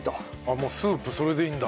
もうスープそれでいいんだ。